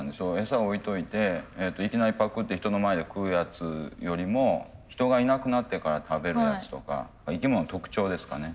餌置いといていきなりパクッて人の前で食うやつよりも人がいなくなってから食べるやつとか生き物の特徴ですかね